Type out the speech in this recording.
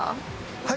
はい。